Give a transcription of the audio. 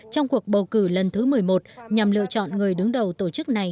trong cuộc bầu cử lần thứ một mươi một nhằm lựa chọn người đứng đầu tổ chức này